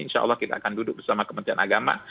insya allah kita akan duduk bersama kementerian agama